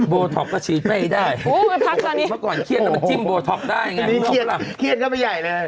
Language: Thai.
โบท็อกซ์ก็ฉีดไม่ได้มากก่อนเคียนต่อมาจิ้มโบท็อกซ์ได้ไงนี่เคียนเข้าไปใหญ่เลย